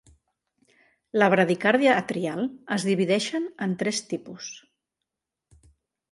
La bradicàrdia atrial es divideixen en tres tipus.